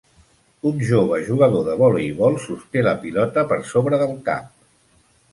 Un jove jugador de voleibol sosté la pilota per sobre del cap.